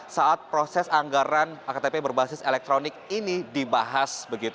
saat proses anggaran ktp berbasis elektronik ini dibahas